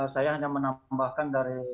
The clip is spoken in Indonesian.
saya hanya menambahkan dari